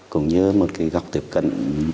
cũng như một cái góc tiếp cận